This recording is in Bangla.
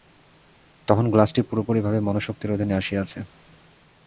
তখন গ্লাসটি পুরাপুরিভাবে মনঃশক্তির অধীনে আসিয়াছে।